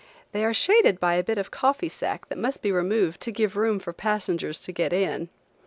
They are shaded by a bit of coffee sack that must be removed to give room for passengers to get in.